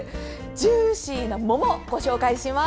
ジューシーな桃をご紹介します。